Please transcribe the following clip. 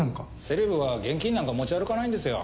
セレブは現金なんか持ち歩かないんですよ。